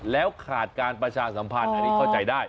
แล้วขาดการประชาสัมพันธ์อันนี้เข้าใจได้